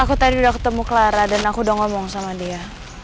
aku tadi udah ketemu clara dan aku udah ngomong sama dia